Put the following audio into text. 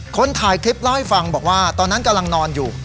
คนถ่ายคลิปเล่าให้ฟังบอกว่าตอนนั้นกำลังนอนอยู่